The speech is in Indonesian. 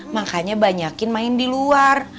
makanya banyakin main di luar